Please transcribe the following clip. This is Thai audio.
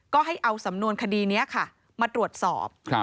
ก็ให้เอาสำนวนคดีนี้ค่ะมาตรวจสอบ